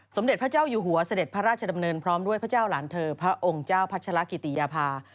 สมเด็จพระเจ้าอยู่หัวเสด็จพระราชดำเนินพร้อมด้วยพระเจ้าหลานเธอพระองค์เจ้าพัชรกิติยภา